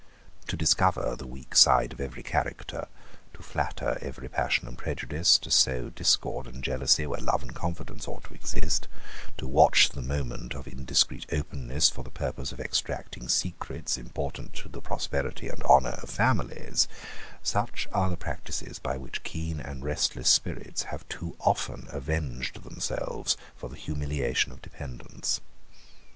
To discover the weak side of every character, to flatter every passion and prejudice, to sow discord and jealousy where love and confidence ought to exist, to watch the moment of indiscreet openness for the purpose of extracting secrets important to the prosperity and honour of families, such are the practices by which keen and restless spirits have too often avenged themselves for the humiliation of dependence.